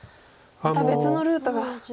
また別のルートが。